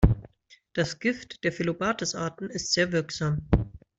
Das Gift der "Phyllobates"-Arten ist sehr wirksam.